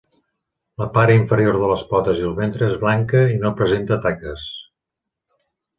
La part inferior de les potes i el ventre és blanca i no presenta taques.